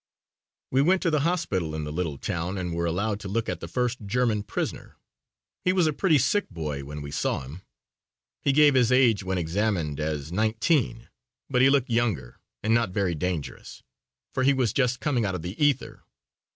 We went to the hospital in the little town and were allowed to look at the first German prisoner. He was a pretty sick boy when we saw him. He gave his age when examined as nineteen, but he looked younger and not very dangerous, for he was just coming out of the ether.